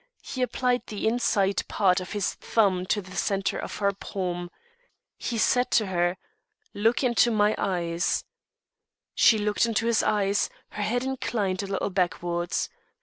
He applied the "inside part" of his thumb to the centre of her palm. He said to her: "Look into my eyes." She looked into his eyes, her head inclined a little backwards.